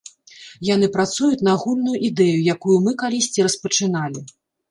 Яны працуюць на агульную ідэю, якую мы калісьці распачыналі.